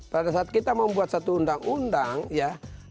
pada saat kita membuat satu undang undang ya